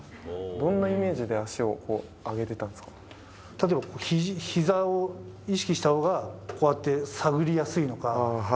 どんなイメージで足をこう、例えばひざを意識したほうが、こうやって探りやすいのか。